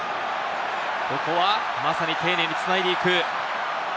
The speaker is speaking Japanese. ここはまさに丁寧に繋いでいく。